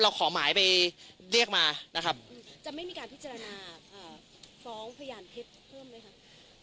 ขอหมายไปเรียกมานะครับจะไม่มีการพิจารณาฟ้องพยานเท็จเพิ่มไหมคะ